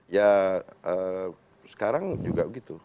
ya sekarang juga begitu